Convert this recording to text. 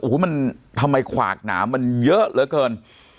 โอ้โหมันทำไมขวากหนามันเยอะเหลือเกิน